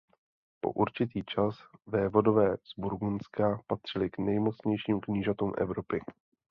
Po určitý čas vévodové z Burgundska patřili k nejmocnějším knížatům Evropy.